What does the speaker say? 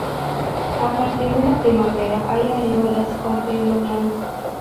A partir de la primavera hay areolas con pelo blanco.